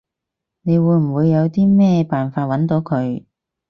你會唔會有啲咩辦法搵到佢？